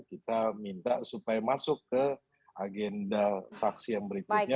kita minta supaya masuk ke agenda saksi yang berikutnya